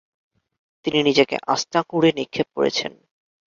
তিনি নিজেকে আস্তাকুঁড়ে নিক্ষেপ করেছেন।